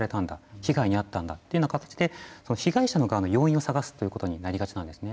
被害に遭ったんだというような形で被害者の側の要因を探すということになりがちなんですね。